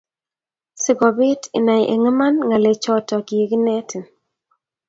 Si kobiit inai eng' iman, ng'alechato kiginetin.